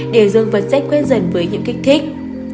để dương vật sẽ quen dần với những kích thích